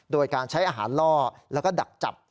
โดยการใช้อาหารล่อแล้วก็ดักจับ